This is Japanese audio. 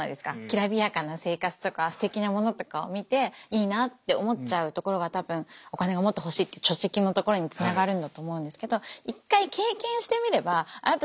きらびやかな生活とかすてきなものとかを見ていいなって思っちゃうところが多分お金がもっと欲しいって貯蓄のところにつながるんだと思うんですけど一回経験してみればあっ